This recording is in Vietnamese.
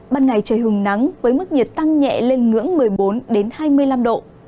ban ngày trời hứng nắng với mức nhiệt tăng nhẹ lên ngưỡng một mươi bốn hai mươi năm độ